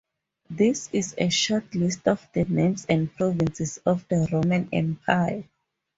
This is a short list of the names and provinces of the Roman Empire.